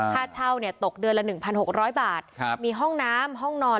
ค่าเช่าเนี่ยตกเดือนละหนึ่งพันหกร้อยบาทครับมีห้องน้ำห้องนอน